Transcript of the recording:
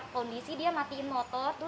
kondisi dia mati indah